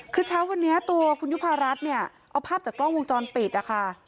คือเช้าวันนี้ตัวคุณยุภารัฐเนี่ยเอาภาพจากกล้องวงจรปิดนะคะ